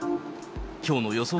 きょうの予想